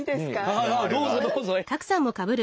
はいどうぞどうぞ。